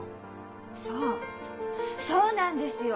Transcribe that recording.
そうそうなんですよ！